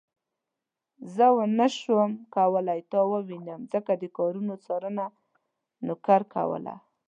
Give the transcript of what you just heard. زه ونه شوم کولای تا ووينم ځکه د کارونو څارنه نوکر کوله.